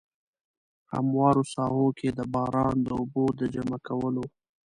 هموارو ساحو کې د باران د اوبو د جمع کولو.